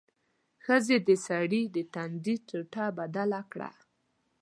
ښځې د سړي د تندي ټوټه بدله کړه.